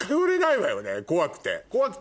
怖くて！